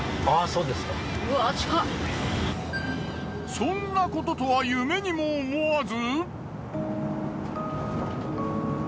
そんなこととは夢にも思わず。